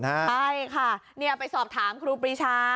ใช่ค่ะไปสอบถามครูปรีชา